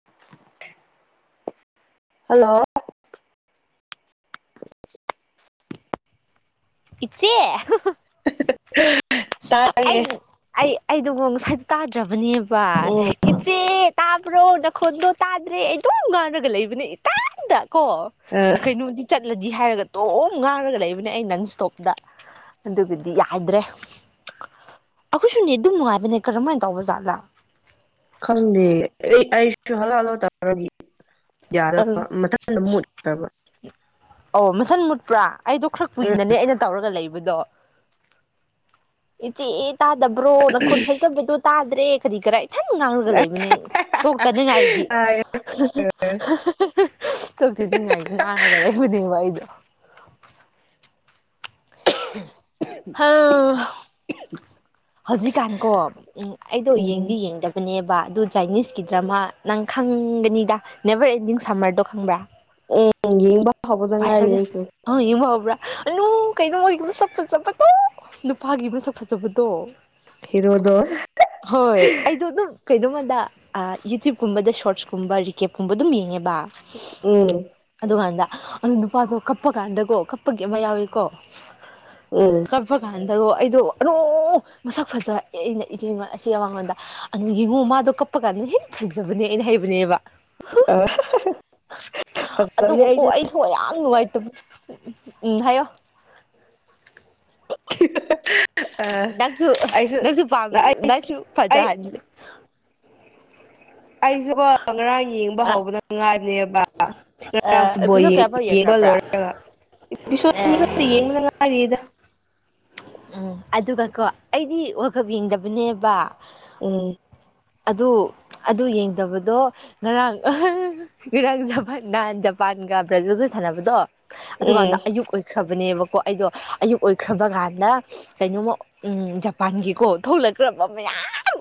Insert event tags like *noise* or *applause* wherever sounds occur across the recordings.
*inaudible* hello ꯏꯆꯦ ꯍꯨꯍꯥ ꯇꯥꯏꯌꯦ ꯑꯩ- ꯑꯩꯗꯨꯀꯣ ꯉꯁꯥꯏ ꯇꯥꯗ꯭ꯔꯕꯅꯦꯕ ꯎꯝ ꯏꯆꯦ ꯇꯥꯕ꯭ꯔꯣ ꯅꯈꯣꯟꯗꯣ ꯇꯥꯗ꯭ꯔꯦ ꯑꯗꯨꯝ ꯉꯥꯡꯔꯒ ꯂꯩꯕꯅꯦ ꯏꯇꯟꯗ ꯀꯣ ꯀꯩꯅꯣꯗꯤ ꯆꯠꯂꯗꯤ ꯍꯥꯏꯔꯒ ꯗꯨꯝ ꯉꯥꯡꯔꯒ ꯂꯩꯕꯅꯦ ꯑꯩ ꯅꯪꯟ ꯏꯁ꯭ꯇꯣꯞꯇ ꯑꯗꯨꯒꯗꯤ ꯌꯥꯗ꯭ꯔꯦ ꯑꯩꯈꯣꯏꯁꯨꯅꯦꯠ ꯑꯗꯨꯝ ꯅꯨꯡꯉꯥꯏꯕꯅꯦ ꯀꯔꯝꯃꯥꯏꯅ ꯇꯧꯕ ꯖꯥꯠꯂꯥ ꯈꯪꯗꯦ ꯑꯩ- ꯑꯩꯁꯨ ꯍꯂꯣ ꯍꯂꯣ ꯇꯔꯒꯤ ꯑꯪ ꯌꯥꯗꯕ ꯃꯊꯟꯗ ꯃꯨꯠꯈ꯭ꯔꯕ ꯑꯣ ꯃꯊꯟ ꯃꯨꯠꯄ꯭ꯔꯥ ꯑꯩꯗꯣ ꯈ꯭ꯔ ꯎꯝ ꯀꯨꯏꯅꯅꯦ ꯑꯩꯅ ꯇꯧꯔꯒ ꯂꯩꯕꯗꯣ ꯏꯆꯦ ꯇꯥꯗꯕ꯭ꯔꯣ ꯅꯈꯣꯜ ꯐꯖꯕꯗꯣ ꯇꯥꯗ꯭ꯔꯦ ꯀꯔꯤ ꯀꯔ ꯊꯟ ꯉꯥꯡꯔꯒ ꯂꯩꯕꯅꯦ ꯇꯣꯛꯇꯅꯤꯡꯉꯥꯏꯒꯤ ꯇꯥꯔꯦ ꯍꯥ-ꯍꯥ-ꯍꯥ ꯇꯣꯛꯇꯅꯤꯡꯉꯥꯏ ꯉꯥꯡꯔꯒ ꯂꯩꯕꯅꯦꯕ ꯑꯩꯗꯣ *unintelligible* ꯍꯧ *inaudible* ꯍꯧꯖꯤꯛꯀꯥꯟꯀꯣ ꯎꯝ ꯑꯩꯗꯣ ꯎꯝ ꯌꯦꯡꯗꯤ ꯌꯦꯡꯗ ꯅꯦꯕ ꯑꯗꯨ ꯆꯥꯏꯅꯤꯁꯀꯤ ꯗ꯭ꯔꯃ ꯅꯪ ꯈꯪꯒꯅꯤꯗ ꯅꯦꯕꯔ ꯑꯦꯟꯗꯤꯡ ꯁꯝꯃꯔꯗꯣ ꯈꯪꯕ꯭ꯔꯥ ꯎꯝ ꯌꯦꯡꯕ ꯍꯧꯕꯗ ꯉꯥꯏꯔꯤ ꯑꯩꯁꯨ ꯑꯥ ꯌꯦꯡꯕ ꯍꯧꯕꯔꯥ *unintelligible* ꯀꯩꯅꯣ ꯃꯣꯏ ꯃꯁꯛ ꯐꯖꯕꯗꯣ ꯅꯨꯄꯥꯒꯤ ꯃꯁꯛ ꯐꯖꯕꯗꯣ ꯍꯔꯣꯗꯣ ꯍꯣꯏ ꯑꯩꯗꯣ ꯑꯗꯨꯝ ꯀꯩꯗꯧꯃꯗ ꯑ ꯌꯨꯇ꯭ꯌꯨꯕꯀꯨꯝꯕꯗ ꯁꯣꯔꯠꯁꯀꯨꯝꯕ ꯔꯤꯀꯦꯞꯀꯨꯝꯕ ꯑꯗꯨꯝ ꯌꯦꯡꯉꯦꯕ ꯎꯝ ꯑꯗꯨꯀꯥꯟꯗ ꯑꯗꯨ ꯅꯨꯄꯥꯗꯣ ꯀꯞꯄ ꯀꯥꯟꯗꯀꯣ ꯀꯞꯄꯒꯤ ꯑꯃ ꯌꯥꯎꯋꯦꯀꯣ ꯎꯝ ꯀꯞꯄ ꯀꯥꯟꯗꯀꯣ ꯑꯩꯗꯣ ꯑꯗꯨ ꯃꯁꯛ ꯐꯖ ꯑꯩꯅ ꯏꯆꯦ ꯑꯁꯤ ꯃꯉꯣꯟꯗ ꯑꯗꯨ ꯌꯦꯡꯉꯨ ꯃꯥꯗꯣ ꯀꯞꯄ ꯀꯥꯟꯗ ꯍꯦꯛ ꯐꯖꯕꯅꯦ ꯑꯩꯅ ꯍꯩꯕꯅꯦꯕ ꯑ ꯐꯁꯨ ꯀꯣ ꯌꯥꯝ ꯅꯨꯡꯉꯥꯏꯇꯕ ꯎꯝ ꯍꯥꯏꯌꯣ ꯍꯥꯍꯥꯍꯥ ꯅꯥꯡꯁꯨ ꯅꯪꯁꯨ ꯄꯥꯝ ꯑꯩ ꯅꯥꯪꯁꯨ ꯑꯩ ꯐꯖꯍꯟ ꯑꯩꯁꯦꯕꯣ ꯉꯔꯥꯡ ꯌꯦꯡꯕ ꯑ ꯍꯧꯕꯅ ꯉꯥꯏꯅꯦ ꯑ ꯕꯐꯨꯠꯕꯣꯜ ꯑꯦꯄꯤꯁꯣꯠ ꯀꯌꯥꯐꯥꯎ ꯌꯦꯡꯕ ꯌꯦꯡꯈ꯭ꯔꯕ꯭ꯔꯥ ꯂꯣꯏꯔꯒ ꯑꯦ ꯌꯦꯡꯗꯉꯥꯏꯔꯤꯗ ꯎꯝ ꯑꯗꯨꯒ ꯀꯣ ꯑꯩꯗꯤ ꯋꯥꯔꯜꯗꯀꯞ ꯌꯦꯡꯗꯕꯅꯦꯕ ꯎꯝ ꯑꯗꯨ ꯑꯗꯨ ꯌꯦꯡꯗꯕꯗꯣ ꯉꯔꯥꯡ ꯏꯔꯥꯡ ꯖꯄ ꯖꯄꯥꯟꯒ ꯕ꯭ꯔꯥꯖꯤꯜꯒ ꯁꯥꯟꯅꯕꯗꯣ ꯎꯝ ꯑꯗꯨꯀꯥꯟꯗ ꯑꯌꯨꯛ ꯈ꯭ꯔꯕꯅꯦꯕꯀꯣ ꯑꯩꯗꯣ ꯑꯌꯨꯛ ꯑꯣꯏꯈ꯭ꯔꯕ ꯀꯥꯟꯗ ꯀꯩꯅꯣꯃ ꯎꯝ ꯖꯄꯥꯟꯒꯤꯀꯣ ꯊꯣꯛꯂꯛꯈ꯭ꯔꯕ ꯃꯌꯥꯝ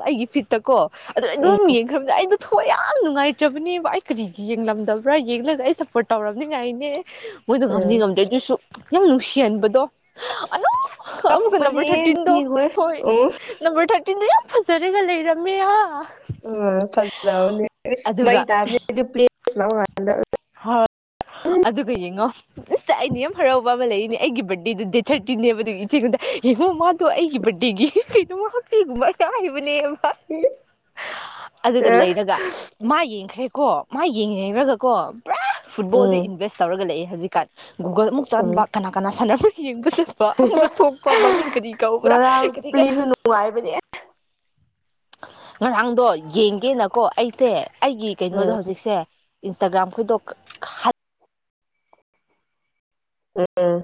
ꯑꯩꯒꯤ ꯐꯤꯠꯇꯀꯣ ꯑꯗꯣ ꯎꯝ ꯑꯩꯩꯑꯗꯨꯝ ꯌꯦꯡꯈ꯭ꯔꯕꯅꯦ ꯑꯩꯗꯣ ꯊꯣꯛꯌꯥꯝ ꯅꯨꯡꯉꯥꯏꯇ꯭ꯔꯕꯅꯦꯕ ꯑꯩꯀꯔꯤ ꯌꯦꯡꯂꯝꯗꯕ꯭ꯔꯥ ꯌꯦꯡꯂꯒ ꯑꯩꯁꯞꯄꯣꯔꯠ ꯇꯧꯔꯝꯅꯤꯉꯥꯏꯅꯦ ꯃꯣꯏꯗꯣ ꯍꯥꯝꯗꯤ ꯎꯝ ꯉꯝꯗ꯭ꯔꯦ ꯑꯗꯨꯁꯨ ꯌꯥꯝ ꯅꯨꯡꯁꯤꯍꯟꯕꯗꯣ ꯑꯗꯣ ꯑꯃꯨꯛꯀ ꯀꯞꯄꯅꯦ ꯅꯝꯕꯔ ꯊꯥꯔꯇꯤꯟꯗꯣ ꯃꯤꯈꯣꯏ ꯍꯣꯏ ꯎꯝ ꯅꯝꯕꯔ ꯊꯥꯔꯇꯤꯟꯗ ꯌꯥꯝ ꯐꯖꯔꯒ ꯂꯩꯔꯝꯃꯦ ꯑ ꯐꯜ ꯂꯅꯤ ꯑꯗꯨꯒ ꯃꯩꯅꯦ꯭ꯂ ꯍꯣꯏ ꯑꯗꯨꯒ ꯌꯦꯡꯉꯣ ꯏꯁꯥꯏ ꯑꯩꯗꯤ ꯌꯥꯝ ꯍꯔꯥꯎꯕ ꯑꯃ ꯂꯩꯌꯦꯅꯦ ꯑꯩꯒꯤ ꯕꯥꯔꯗꯦꯗꯨ ꯗꯦꯠ ꯊꯥꯔꯇꯤꯟꯅꯦꯕ ꯑꯗꯨꯒꯤ ꯏꯆꯦꯉꯣꯟꯗ ꯌꯦꯡꯉꯣ ꯑꯗꯣ ꯑꯩꯒꯤ ꯕꯥꯔꯗꯦꯒꯤ ꯀꯩꯅꯣꯃ ꯍꯄꯤꯅꯕꯅ ꯍꯥꯏꯕꯅꯦꯕ ꯑꯗꯨꯗ ꯂꯩꯔꯒ ꯃꯥ ꯌꯦꯡꯈ꯭ꯔꯦꯀꯣ ꯃꯥ ꯌꯦꯡꯉꯦꯔꯒꯀꯣ ꯄꯨꯔꯥ ꯐꯨꯠꯕꯣꯜꯗ ꯎꯝ ꯏꯟꯚꯦꯁ ꯇꯧꯔꯒ ꯂꯩꯑꯦ ꯍꯧꯖꯤꯛꯀꯥꯟ ꯒꯨꯜ ꯑꯃꯨꯛ ꯎꯝ ꯆꯥꯟꯕ ꯀꯅꯥ ꯀꯅꯥ ꯁꯥꯟꯅꯅꯕ ꯌꯦꯡꯕꯁꯨ ꯑꯃꯨꯛꯀ ꯊꯣꯛꯄ ꯃꯃꯤꯡ ꯀꯔꯤ ꯀꯧꯕ꯭ꯔꯥ ꯉꯔꯥꯡ ꯀꯔꯤ ꯄ꯭ꯂꯦꯁꯨ ꯅꯨꯡꯉꯥꯏꯕꯅꯦ ꯉꯔꯥꯡꯗꯣ ꯌꯦꯡꯒꯦꯅꯀꯣ ꯑꯩꯁꯦ ꯑꯩꯒꯤ ꯀꯩꯅꯣꯗꯣ ꯎꯝ ꯍꯧꯖꯤꯛꯁꯦ ꯏꯟꯁꯇꯥꯒ꯭ꯔꯥꯝꯈꯣꯏꯗꯣ ꯎꯝ